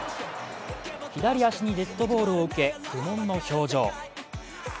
左足にデッドボールを受け苦もんの表情。